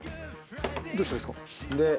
どうしたらいいですか？